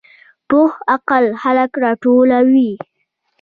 پوخ عقل خلک راټولوي